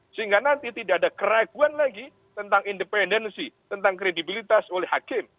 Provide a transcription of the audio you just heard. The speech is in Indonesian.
sehingga nanti tidak ada keraguan lagi tentang independensi tentang kredibilitas oleh hakim